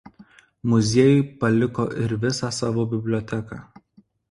Muziejui paliko ir visą savo biblioteką.